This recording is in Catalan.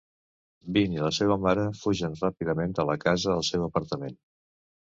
Binh i la seva mare fugen ràpidament de la casa al seu apartament.